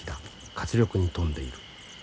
活力に富んでいる。